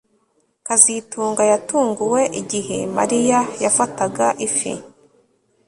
kazitunga yatunguwe igihe Mariya yafataga ifi